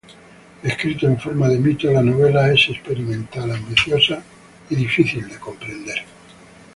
Escrito en forma de mito, la novela es experimental, ambiciosa y difícil de comprender.